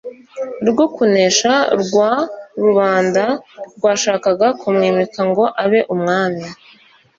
rwo kunesha rwa rubanda rwashakaga kumwimika ngo abe Umwami.